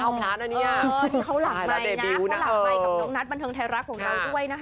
เข้าหลักใหม่นะเข้าหลักใหม่กับน้องนัทบันเทิงไทยรักษ์ของเราด้วย